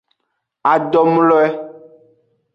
Adomloe.